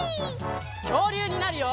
きょうりゅうになるよ！